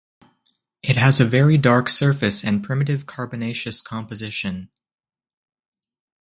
It has a very dark surface and primitive carbonaceous composition.